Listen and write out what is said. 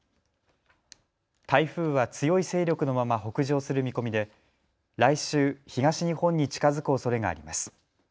台風は強い勢力のまま北上する見込みで来週、東日本に近づくおそれがあります。